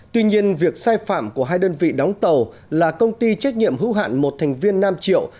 tuy nhiên việc sai phạm của hai đơn vị đóng tàu là công ty trách nhiệm hữu hạn một thành viên nam triệu